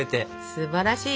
すばらしい。